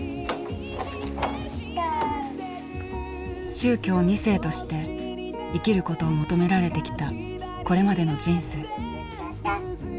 宗教２世として生きることを求められてきたこれまでの人生。